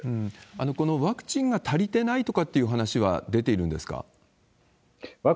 このワクチンが足りてないとかっていう話は出ているんですか。